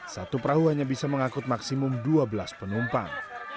satu perahu hanya bisa mengangkut maksimum dua belas penumpang